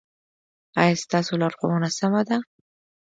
ایا ستاسو لارښوونه سمه ده؟